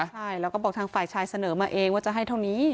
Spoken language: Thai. ใช่แล้วก็บอกทางฝ่ายชายเสนอมาเองว่าจะให้เท่านี้